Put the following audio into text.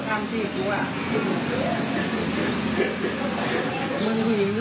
เขาสั่งมาเขาสั่งกูมา